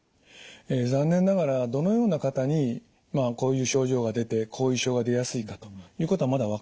残念ながらどのような方にまあこういう症状が出て後遺症が出やすいかということはまだ分かっておりません。